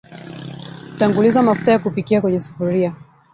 Tanguliza mafuta ya kupikia kwenye sufuria